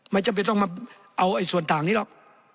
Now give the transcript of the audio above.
ไม่จำเป็นต้องมาเอาส่วนต่างนี้หรอก